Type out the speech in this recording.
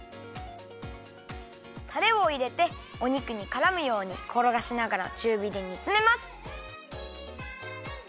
タレをいれてお肉にからむようにころがしながらちゅうびでにつめます。